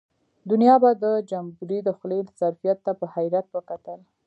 دنیا به د جمبوري د خولې ظرفیت ته په حیرت وکتل.